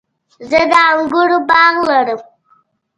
زه د انګورو باغ لرم